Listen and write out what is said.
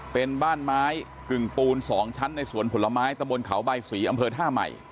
เป็นบ้านไม้กึ่งปูน๒ชั้นในสวนผลไม้ตะบนเขาใบสีอำเภอท่าใหม่